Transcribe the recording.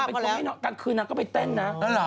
นักเป็นช่วยให้นอดกลางคืนนักก็ไปเต้นนะ